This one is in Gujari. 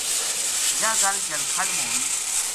یاہ گل جلکھڈ ما ہوئی